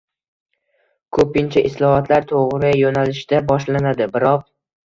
Ko‘pincha islohotlar to‘g‘ri yo‘nalishda boshlanadi, biroq...